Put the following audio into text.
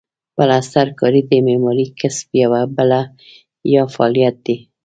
پلسترکاري د معمارۍ کسب یوه بله یا فعالیت دی.